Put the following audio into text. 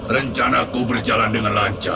rencanaku berjalan dengan lancar